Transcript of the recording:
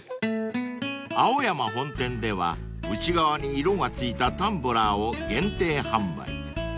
［青山本店では内側に色がついたタンブラーを限定販売］